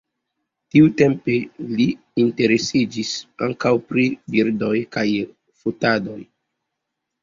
Tiutempe li interesiĝis ankaŭ pri birdoj kaj fotado.